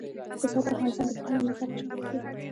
پسه د افغانستان د پوهنې نصاب کې شامل دي.